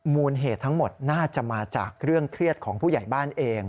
มูลเหตุทั้งหมดน่าจะมาจากเรื่องเครียดของผู้ใหญ่บ้านเอง